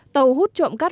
tàu hút trộm cát